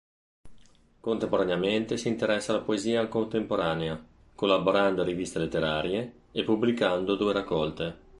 Contemporaneamente si interessa alla poesia contemporanea, collaborando a riviste letterarie e pubblicando due raccolte.